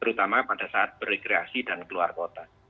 terutama pada saat berrekreasi dan keluar kota